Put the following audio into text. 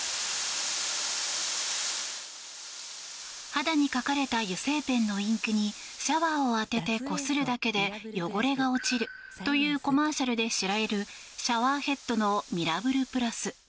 肌に描かれた油性ペンのインクにシャワーを当ててこするだけで汚れが落ちるというコマーシャルで知られるシャワーヘッドのミラブルｐｌｕｓ。